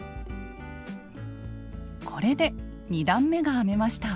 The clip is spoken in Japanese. これで２段めが編めました。